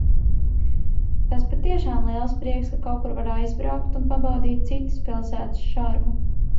Tas patiešām liels prieks, ka kaut kur var aizbraukt un pabaudīt citas pilsētas šarmu.